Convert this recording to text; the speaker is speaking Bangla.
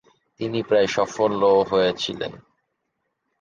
তিনি প্রায় সফল ও হয়েছিলেন ।